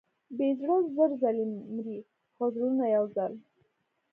بې زړه زر ځلې مري، خو زړور یو ځل.